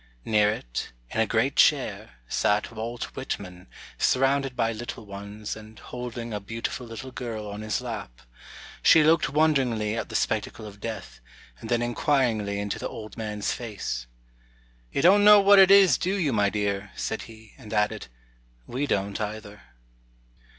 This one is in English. Near it, in a great chair, sat Walt Whitman, surrounded by little ones, and holding a beautiful little girl on his lap. She looked wonderingly at the spectacle of death, and then inquiringly into the old man's face. 'You don't know what it is, do you, my dear?' said he, and added, 'We don't, either.'"